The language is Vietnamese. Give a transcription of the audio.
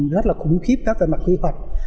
rất là khủng khiếp các về mặt quy hoạch